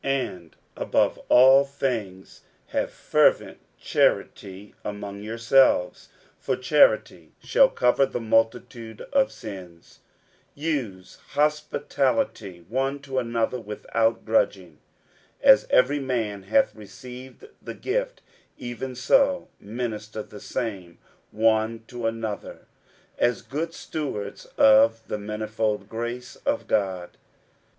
60:004:008 And above all things have fervent charity among yourselves: for charity shall cover the multitude of sins. 60:004:009 Use hospitality one to another without grudging. 60:004:010 As every man hath received the gift, even so minister the same one to another, as good stewards of the manifold grace of God.